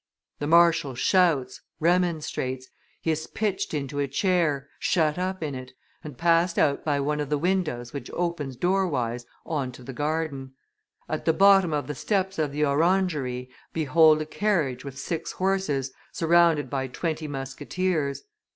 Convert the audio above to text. The marshal shouts, remonstrates; he is pitched into a chair, shut up in it, and passed out by one of the windows which opens door wise on to the garden; at the bottom of the steps of the orangery behold a carriage with six horses, surrounded by twenty musketeers.